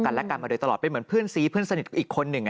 และกันมาโดยตลอดเป็นเหมือนเพื่อนซีเพื่อนสนิทอีกคนหนึ่ง